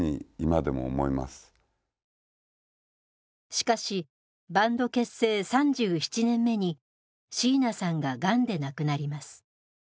しかしバンド結成３７年目にシーナさんががんで亡くなります。